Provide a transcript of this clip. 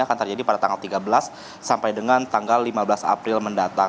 akan terjadi pada tanggal tiga belas sampai dengan tanggal lima belas april mendatang